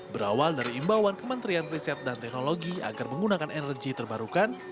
berawal dari imbauan kementerian riset dan teknologi agar menggunakan energi terbarukan